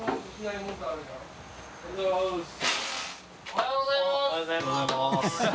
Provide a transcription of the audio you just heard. おはようございます！